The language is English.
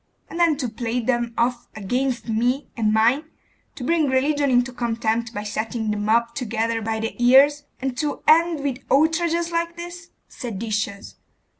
And then to play them off against me and mine, to bring religion into contempt by setting the mob together by the ears, and to end with outrages like this! Seditious!